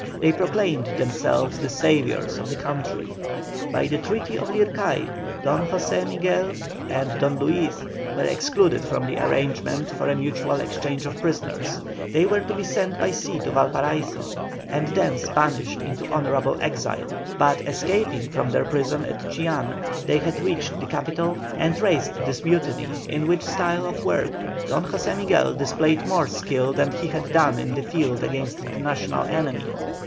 They proclaimed themselves the saviours of the country. By the Treaty of Lircay Don José Miguel and Don Luis were excluded from the arrangement for a mutual exchange of prisoners; they were to be sent by sea to Valparaiso, and thence banished into honourable exile; but, escaping from their prison at Chillán, they had reached the capital and raised this mutiny, in which style of work Don José Miguel displayed more skill than he had done in the field against the national enemy.